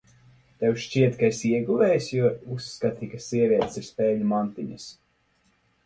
Tev šķiet, ka esi ieguvējs, jo uzskati, ka sievietes ir spēļu mantiņas?